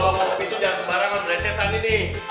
kalo mau ngopi tuh jangan sembarangan bercetan ini